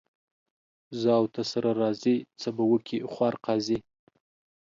زه او ته سره راضي ، څه به وکي خوار قاضي.